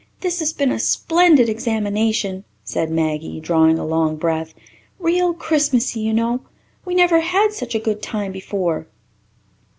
"This has been a splendid examination," said Maggie, drawing a long breath. "Real Christmassy, you know. We never had such a good time before."